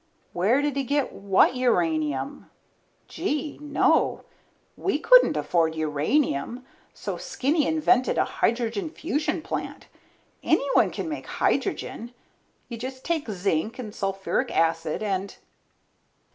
Where did we get what uranium? Gee, no, we couldn't afford uranium, so Skinny invented a hydrogen fusion plant. Anyone can make hydrogen. You just take zinc and sulfuric acid and